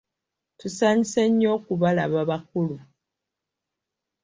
Tusanyuse nnyo okubalaba bakulu!